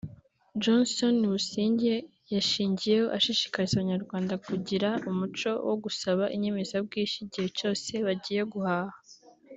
Johnson Busingye yashingiyeho ashishikariza Abanyarwanda kugira umuco wo gusaba inyemezabwishyu igihe cyose bagiye guhaha